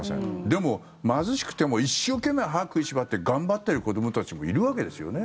でも、貧しくても一生懸命歯を食いしばって頑張っている子どもたちもいるわけですよね。